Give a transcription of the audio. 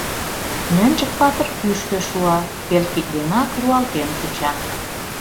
Нӧнчык-патыр кӱшкӧ шуа, пел кид денак руалтен куча.